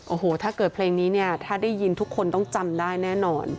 โอ้โหถ้าเกิดเพลงนี้เนี่ยถ้าได้ยินทุกคนต้องจำได้แน่นอน